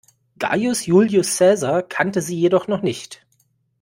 Gaius Julius Cäsar kannte sie jedoch noch nicht.